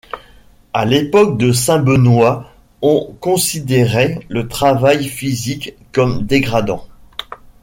À l’époque de Saint Benoît on considérait le travail physique comme dégradant.